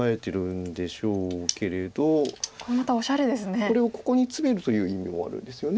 これをここにツメるという意味もあるんですよね。